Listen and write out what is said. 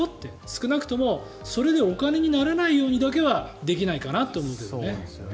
少なくとも、それでお金にならないようにだけはできないかなと思うけどね。